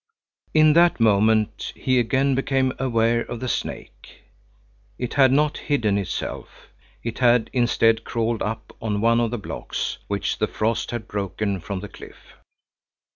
In that moment he again became aware of the snake. It had not hidden itself, it had instead crawled up on one of the blocks which the frost had broken from the cliff.